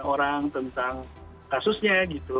orang tentang kasusnya gitu